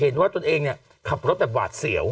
ตนเองเนี่ยขับรถแบบหวาดเสียว